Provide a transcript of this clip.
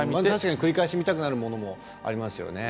繰り返し見たくなるものも確かにありますよね。